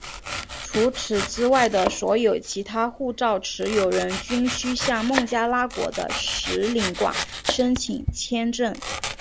除此之外的所有其他护照持有人均须向孟加拉国的使领馆申请签证。